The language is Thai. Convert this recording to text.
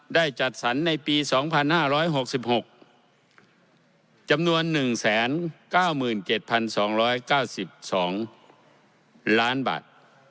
จัดสรรในปี๒๕๖๖จำนวน๑๙๗๒๙๒ล้านบาท